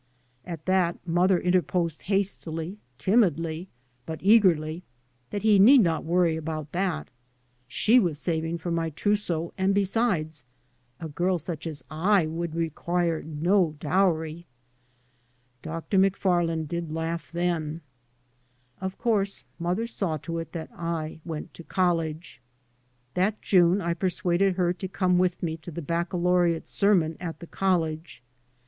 At that mother interposed hastily, timidly, but eagerly, that he need not worry about that; she was saving for my trousseau, and besides, a girl such as I would require no dowry I Dr. McF did laugh then I Of course mother saw to it that I went to college. That June I persuaded her to come with me to the baccalaureate sermon at the college.